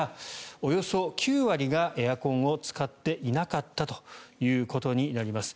およそ９割がエアコンを使っていなかったということになります。